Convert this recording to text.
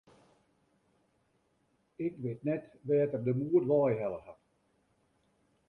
Ik wit net wêr't er de moed wei helle hat.